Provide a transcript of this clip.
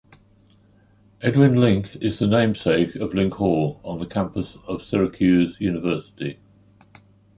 Edwin Link is the namesake of Link Hall on the campus of Syracuse University.